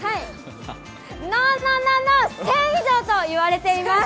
ノーノーノー、１０００以上といわれています。